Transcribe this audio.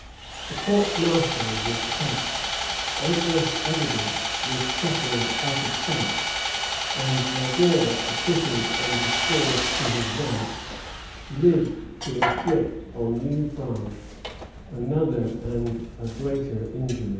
The court martial was packed; adverse evidence was shuffled out of sight; and Vergor, acquitted and restored to his rank, lived to inflict on New France another and a greater injury.